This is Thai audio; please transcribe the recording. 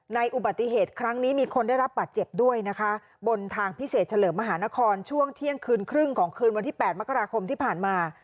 อุบัติเหตุครั้งนี้มีคนได้รับบาดเจ็บด้วยนะคะบนทางพิเศษเฉลิมมหานครช่วงเที่ยงคืนครึ่งของคืนวันที่๘มกราคมที่ผ่านมา